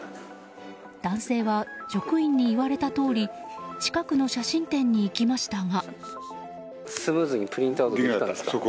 男性は職員に言われたとおり近くの写真店に行きましたが。